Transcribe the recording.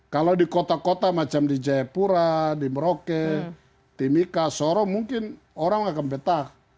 kalau di kota kota macam di jayapura di merauke timika sorong mungkin orang akan betah